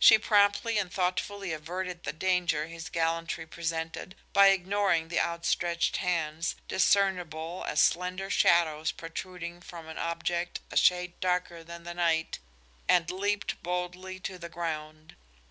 She promptly and thoughtfully averted the danger his gallantry presented by ignoring the outstretched hands, discernible as slender shadows protruding from an object a shade darker than the night, and leaped boldly to the ground.